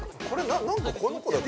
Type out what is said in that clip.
なんで、この子だけ。